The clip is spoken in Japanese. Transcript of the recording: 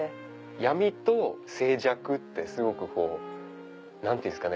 闇と静寂ってすごく何ていうんですかね